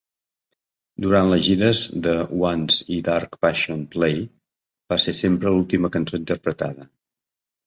Durant les gires de Once i Dark Passion Play va ser sempre l'última cançó interpretada.